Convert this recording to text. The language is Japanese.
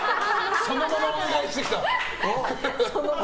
そのままお願いしてきたんですね。